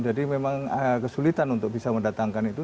memang kesulitan untuk bisa mendatangkan itu